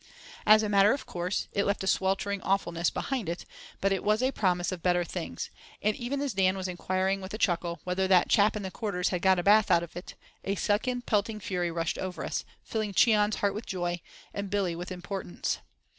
As a matter of course, it left a sweltering awfulness behind it, but it was a promise of better things; and even as Dan was inquiring with a chuckle "whether that chap in the Quarters had got a bath out of it," a second pelting fury rushed over us, filling Cheon's heart with joy, and Billy with importance.